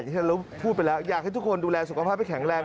ที่เราพูดไปแล้วอยากให้ทุกคนดูแลสุขภาพให้แข็งแรง